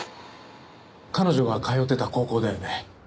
彼女が通ってた高校だよね。